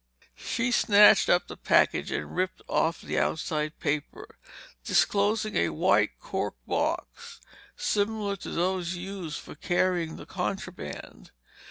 She snatched up the package and ripped off the outside paper, disclosing a white cork box, similar to those used for carrying the contraband.